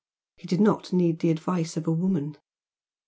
he did not need the advice of a woman!